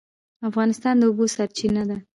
افغانستان د اوبو سرچینه ده